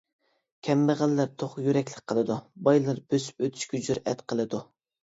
كەمبەغەللەر توخۇ يۈرەكلىك قىلىدۇ، بايلار بۆسۈپ ئۆتۈشكە جۈرئەت قىلىدۇ.